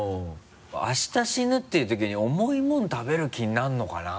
あした死ぬっていうときに重いもん食べる気になるのかな？